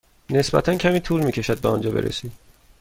نسبتا کمی طول می کشد به آنجا برسید.